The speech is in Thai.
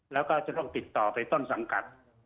แล้วก็จะต้องติดต่อไปต้นสังกัด